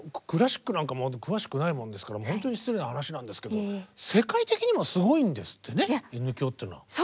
クラシックなんかも詳しくないものですから本当に失礼な話なんですけど世界的にもすごいんですってねＮ響っていうのは。